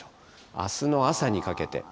あすの朝にかけて。